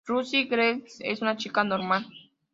Ruby Crescent es una chica normal.